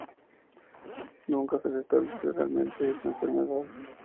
Nunca se restableció realmente de su enfermedad.